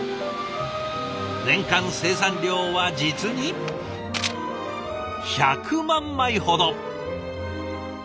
年間生産量は実に１００万枚ほど。